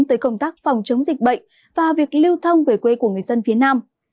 tới công tác phòng chống dịch bệnh và việc lưu thông về quê của người dân phía nam